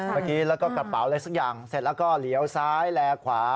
เมื่อกี้แล้วก็กระเป๋าอะไรสักอย่างเสร็จแล้วก็เหลียวซ้ายแลขวา